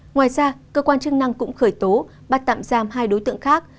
ngoài ra cơ quan chức năng cũng khởi tố bắt tạm giam hai đối tượng khác